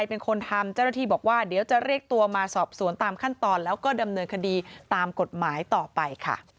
โปรดติดตามตอนต่อไป